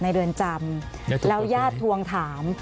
ในเรือนจำแล้วยาดทวงถาม